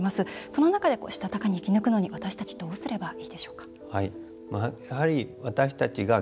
その中で、したたかに生きていくためには私たちどうすればいいでしょうか。